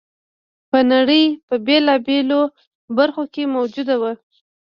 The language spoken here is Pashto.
په نړۍ په بېلابېلو برخو کې موجود و